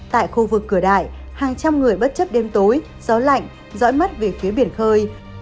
tại khu vực cửa đại hàng trăm người bất chấp đêm tối gió lạnh dõi mắt về phía biển khơi